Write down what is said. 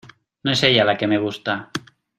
no es ella la que me gusta.